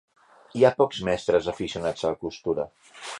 Hi ha pocs mestres aficionats a la costura.